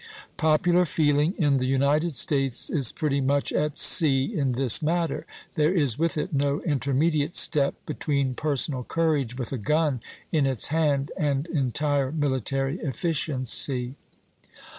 Popular feeling in the United States is pretty much at sea in this matter; there is with it no intermediate step between personal courage with a gun in its hand and entire military efficiency.